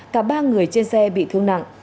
cả ba người trên xe bị thương nặng